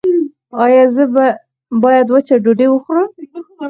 ایا زه باید وچه ډوډۍ وخورم؟